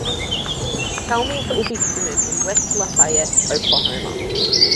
Tell me if it will be humid in West Lafayette, Oklahoma